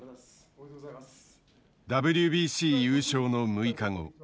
ＷＢＣ優勝の６日後。